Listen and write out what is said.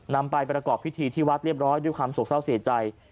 นำไปประกอบพิธีที่วัดเรียบร้อยด้วยความโศกเศร้าเสียใจ